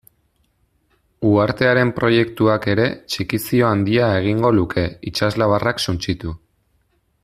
Uhartearen proiektuak ere txikizio handia egingo luke, itsaslabarrak suntsitu.